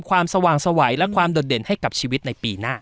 ความสว่างสวัยและความโดดเด่นให้กับชีวิตในปีหน้า